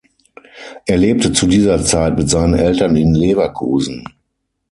Er lebte zu dieser Zeit mit seinen Eltern in Leverkusen.